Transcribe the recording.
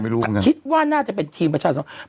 ก็คิดว่าน่าจะเป็นทีมประชาสเชนทรัพย์